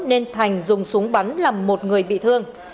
nên thành dùng súng bắn làm một người bị thương